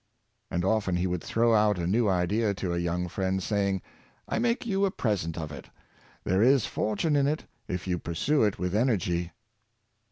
And often he would throw out a new idea to a young friend, saying, " I make you a present of it; there is fortune in it, if you pursue it with energy."